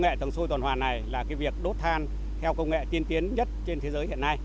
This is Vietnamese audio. nghệ tầng sôi toàn hoàn này là việc đốt than theo công nghệ tiên tiến nhất trên thế giới hiện nay